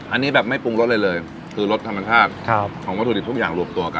อันนี้แบบไม่ปรุงรสอะไรเลยคือรสธรรมชาติของวัตถุดิบทุกอย่างรวมตัวกัน